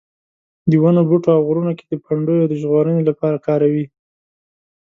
د ونو بوټو او غرونو کې د پنډیو د ژغورنې لپاره کاروي.